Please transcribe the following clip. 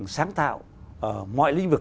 sáng tạo mọi lĩnh vực